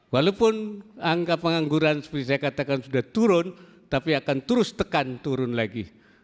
walaupun angka pengangguran seperti saya katakan sudah turun tapi akan terus tekan turun lagi